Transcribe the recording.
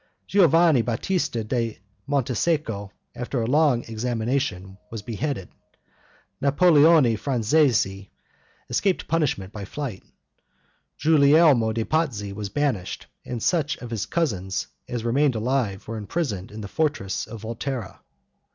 Giovanni Batista da Montesecco, after a long examination, was beheaded; Napoleone Franzesi escaped punishment by flight; Giulielmo de' Pazzi was banished, and such of his cousins as remained alive were imprisoned in the fortress of Volterra.